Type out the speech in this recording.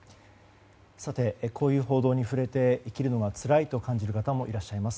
こういう報道に触れて生きるのがつらいと感じる方もいらっしゃいます。